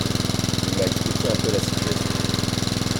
Il m'a expliqué un peu la situation.